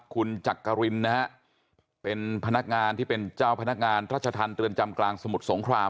คุณจักรินนะฮะเป็นพนักงานที่เป็นเจ้าพนักงานรัชธรรมเรือนจำกลางสมุทรสงคราม